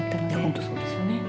本当そうですよね。